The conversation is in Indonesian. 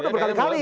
sudah berapa kali